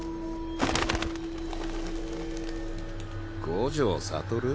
五条悟？